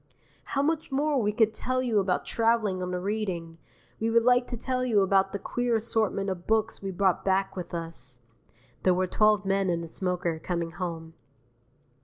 How much more we could tell you about travelling on the Reading! We would like to tell you about the queer assortment of books we brought back with us. (There were twelve men in the smoker, coming home.)